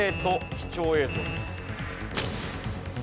貴重映像です。